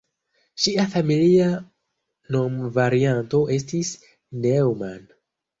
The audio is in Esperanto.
Ŝia familia nomvarianto estis "Neumann".